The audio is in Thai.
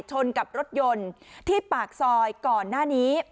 ชนกับรถยนต์ที่ปากซอยก่อนหน้านี้